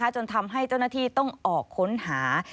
จนทำให้เจ้าหน้าที่ต้องออกค้นหา